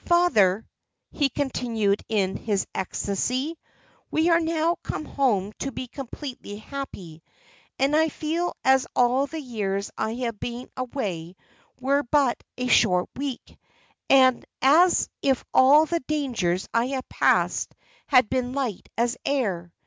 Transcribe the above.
"Father," he continued in his ecstasy, "we are now come home to be completely happy; and I feel as if all the years I have been away were but a short week; and as if all the dangers I have passed had been light as air.